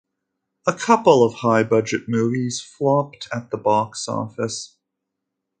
A couple of high budget movies flopped at the box office.